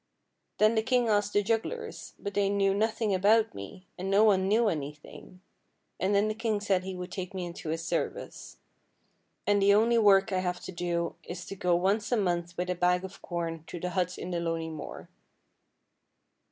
Then the king asked the jugglers, but they knew nothing about me, and no one knew anything, and then the king said he would take me into his service; and the only work I have to do is to go once a month with a bag of corn to the hut in the lonely moor."